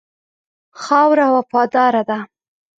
خاوره وفاداره ده.